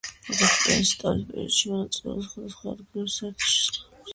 როგორც პიანისტი, სწავლის პერიოდში მონაწილეობდა სხვადასხვა ადგილობრივ და საერთაშორისო კონკურსებში.